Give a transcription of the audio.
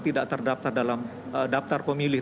tidak terdaftar dalam daftar pemilih